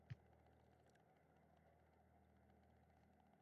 Mahallaga professor keldi